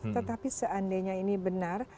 tetapi seandainya ini benar